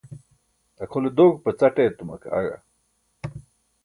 akʰole doẏpa c̣aṭ etuma ke aẏa